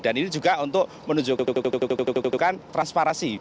dan ini juga untuk menunjukkan transparansi